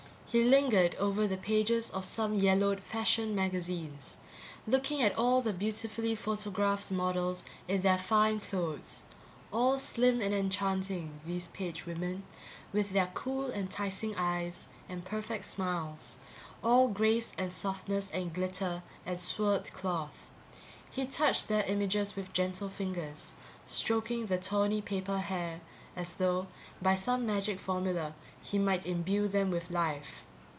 He lingered over the pages of some yellowed fashion magazines, looking at all the beautifully photographed models in their fine clothes. All slim and enchanting, these page women, with their cool enticing eyes and perfect smiles, all grace and softness and glitter and swirled cloth. He touched their images with gentle fingers, stroking the tawny paper hair, as though, by some magic formula, he might imbue them with life.